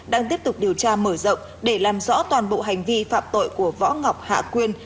đang tiếp tục điều tra mở rộng để làm rõ toàn bộ hành vi phạm tội của võ ngọc hạ quyên